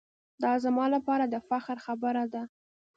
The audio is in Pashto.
دا زما لپاره دافتخار خبره ده.